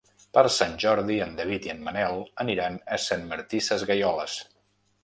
Per Sant Jordi en David i en Manel aniran a Sant Martí Sesgueioles.